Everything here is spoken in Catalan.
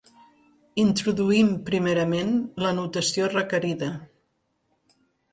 Introduïm primerament la notació requerida.